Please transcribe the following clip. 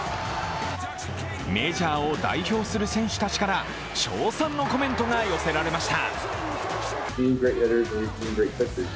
メジャーを代表する選手たちから称賛のコメントが寄せられました。